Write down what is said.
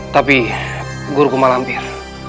tapi guru kumalampir